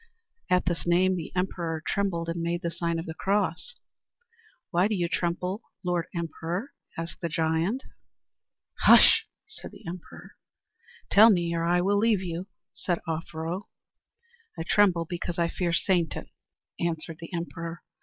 At this name the emperor trembled and made the sign of the cross. "Why do you tremble, Lord Emperor?" asked the giant. "Hush!" said the emperor. "Tell me, or I will leave you," said Offero. "I tremble because I fear Satan," answered the emperor.